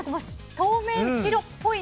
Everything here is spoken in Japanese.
透明、白っぽい。